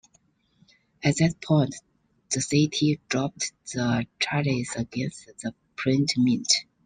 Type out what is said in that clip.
At that point the city dropped the charges against the Print Mint.